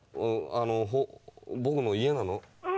あの僕の家なの。